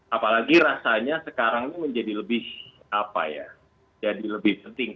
apalagi rasanya sekarang ini menjadi lebih apa ya jadi lebih penting